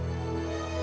kamu di mana